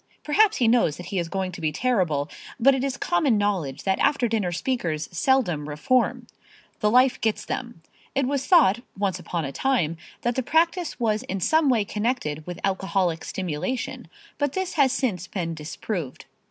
Perhaps he knows that he is going to be terrible, but it is common knowledge that after dinner speakers seldom reform. The life gets them. It was thought, once upon a time, that the practice was in some way connected with alcoholic stimulation, but this has since been disproved.